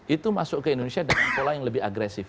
itu masuk ke indonesia dengan pola yang lebih agresif